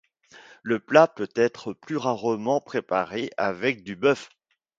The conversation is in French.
Le plat peut être plus rarement préparé avec du bœuf.